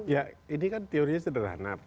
ya ini kan teorinya sederhana